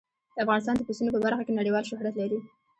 افغانستان د پسونو په برخه کې نړیوال شهرت لري.